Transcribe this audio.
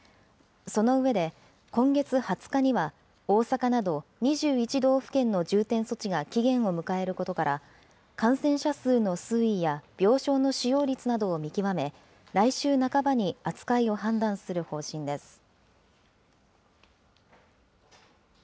その上で、今月２０日には大阪など２３道府県の重点措置が期限を迎えることから、感染者数の推移や病床の使用率などを見極め、来週半ばに扱いを判断する方針です。